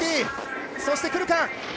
そして来るか。